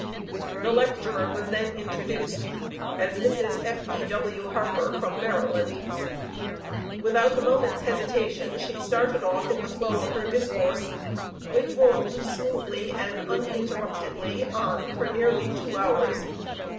The lecturer was then introduced as Mrs. F.E.W. Harper, from Maryland. Without a moment's hesitation she started off in the flow of her discourse, which rolled smoothly and uninterruptedly on for nearly two hours.